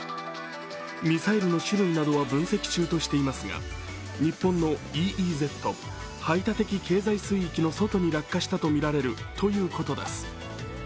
ミサイルの種類などは分析中としていますが、日本のＥＥＺ＝排他的経済水域の外に落下したとみられるということです。